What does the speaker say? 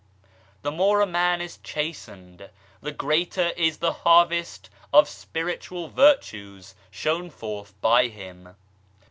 The more a man is chastened, the greater is the harvest of spiritual virtues shown forth by him.